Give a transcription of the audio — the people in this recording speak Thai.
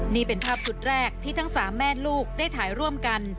นี่เป็นภาพชุดแรกที่ทั้ง๓แม่ลูกได้ถ่ายร่วมกัน